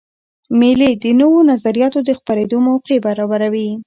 مېلې د نوو نظریاتو د خپرېدو موقع برابروي.